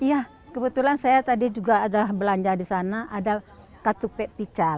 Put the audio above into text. iya kebetulan saya tadi juga ada belanja di sana ada katupe pica